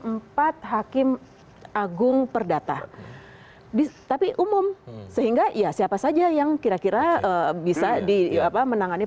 empat hakim agung perdata di tapi umum sehingga ya siapa saja yang kira kira bisa di apa menangani